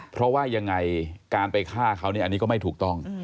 เพราะว่ายังไงการไปฆ่าเขานี่อันนี้ก็ไม่ถูกต้อง